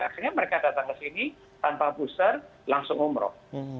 akhirnya mereka datang ke sini tanpa booster langsung umroh